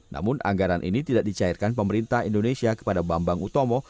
namun anggaran ini tidak dicairkan pemerintah indonesia kepada bambang utomo